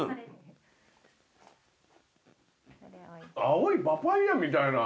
青いパパイアみたいな。